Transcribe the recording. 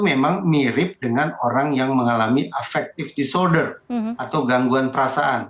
memang mirip dengan orang yang mengalami affective disorder atau gangguan perasaan